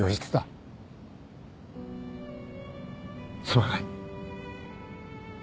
すまない。